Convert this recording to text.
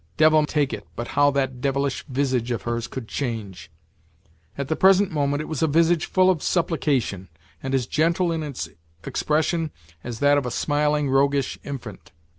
Devil take it, but how that devilish visage of hers could change! At the present moment it was a visage full of supplication, and as gentle in its expression as that of a smiling, roguish infant.